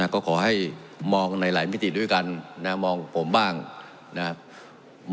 ก็ขอให้มองในหลายมิติด้วยกันนะมองผมบ้างนะครับ